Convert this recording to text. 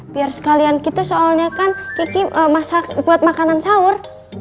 biar sekalian gitu soalnya kan kiki buat makanan sahur